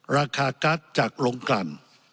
ราคาการ์ดจากโรงกลั่น